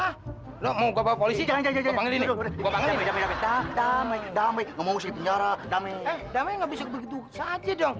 eh damai nggak bisa begitu saja dong